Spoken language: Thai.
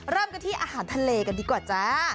เริ่มกันที่อาหารทะเลกันดีกว่าจ้า